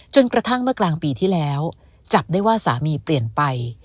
จนกระทั่งเมื่อกลางปีที่แล้วจับได้ว่าสามีเปลี่ยนไป